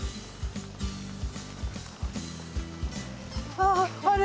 あっあれ？